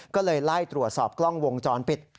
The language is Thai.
ก็เลยไล่ตรวจสอบกล้องวงจรปิด